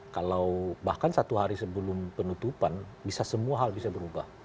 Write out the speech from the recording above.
kalau bahkan satu hari sebelum penutupan bisa semua hal bisa berubah